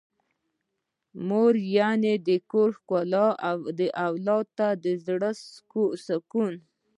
مور يعنې د کور ښکلا او اولاد ته د زړه سکون.